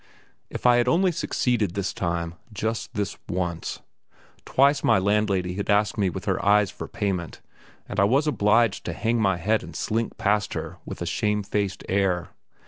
If I had only succeeded this time, just this once. Twice my landlady had asked me with her eyes for payment, and I was obliged to hang my head and slink past her with a shamefaced air.